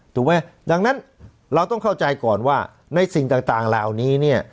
ถูกไหมดังนั้นเราต้องเข้าใจก่อนว่าในสิ่งต่างเหล่านี้เนี่ย